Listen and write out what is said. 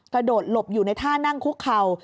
กระโดดหลบอยู่ในท่านั่งคุกเข่า